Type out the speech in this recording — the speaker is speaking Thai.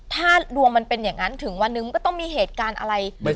ถ้ารวมมันเป็นอย่างงั้นถึงวันนึงมันก็ต้องมีเหตุการณ์อะไรไม่ใช่ออกไปเอง